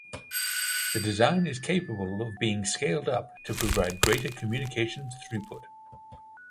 The design is capable of being scaled up to provide greater communications throughput.